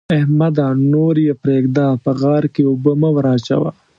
احمده! نور يې پرېږده؛ په غار کې اوبه مه وراچوه.